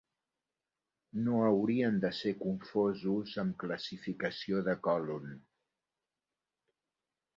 No haurien de ser confosos amb classificació de còlon.